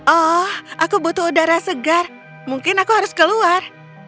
oh aku butuh udara segar mungkin aku harus keluar